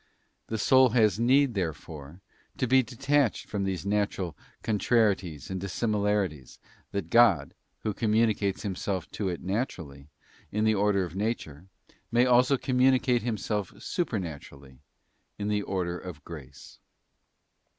The soul has need, therefore, to be detached from these natural con trarieties and dissimilarities, that God, who communicates Himself to it naturally, in the order of nature, may also }:_ communicate Himself supernaturally, in the order of grace.